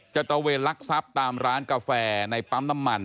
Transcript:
ตระเวนลักทรัพย์ตามร้านกาแฟในปั๊มน้ำมัน